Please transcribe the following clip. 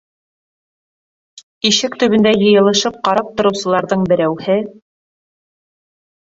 Ишек төбөндә йыйылышып ҡарап тороусыларҙың берәүһе: